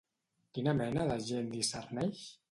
Quina mena de gent discerneix?